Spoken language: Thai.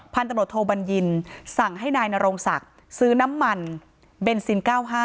พันธุ์ตำรวจโทบัญญินสั่งให้นายนโรงศักดิ์ซื้อน้ำมันเบนซิน๙๕